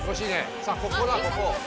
さあここだここ！